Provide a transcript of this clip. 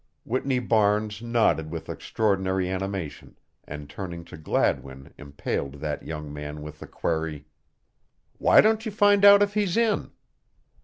Whitney Barnes nodded with extraordinary animation and turning to Gladwin impaled that young man with the query: "Why don't you find out if he's in?"